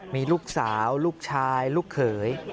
มีลูกสาวลูกชายลูกเขย